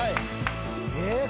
えっ？